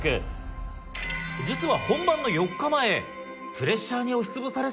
実は。